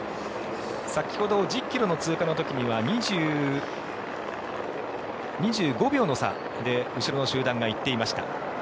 先ほど、１０ｋｍの通過の時には２５秒の差で後ろの集団が行っていました。